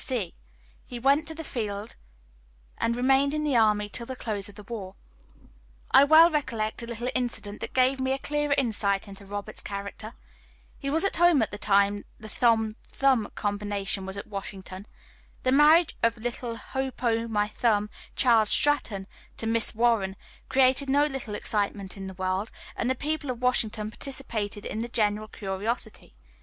D. C. he went to the field, and remained in the army till the close of the war. I well recollect a little incident that gave me a clearer insight into Robert's character. He was at home at the time the Tom Thumb combination was at Washington. The marriage of little Hopo' my thumb Charles Stratton to Miss Warren created no little excitement in the world, and the people of Washington participated in the general curiosity.